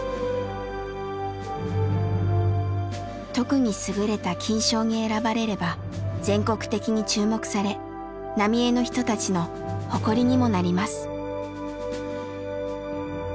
特に優れた金賞に選ばれれば全国的に注目され浪江の人たちの誇りにもなります。